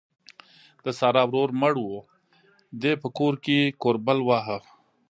د سارا ورور مړ وو؛ دې په کور کې کوربل واهه.